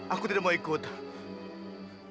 aku akan mecuk